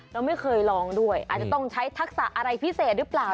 เราไม่เคยลองด้วยอาจจะต้องใช้ทักษะอะไรพิเศษหรือเปล่า